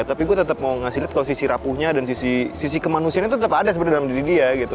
tapi gue tetep mau ngasih liat kalo sisi rapuhnya dan sisi kemanusiaan itu tetep ada sebenernya dalam diri dia gitu